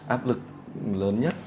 áp lực lớn nhất